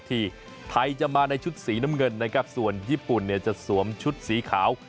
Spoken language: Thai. ที่ไทยจะมาในชุดสีน้ำเงินนะครับส่วนญี่ปุ่นเนี่ยจะสวมชุดสีขาว